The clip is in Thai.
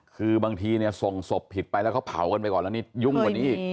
คือบางทีส่งสบผิดไปแล้วเขาเผากันไปก่อนแล้ว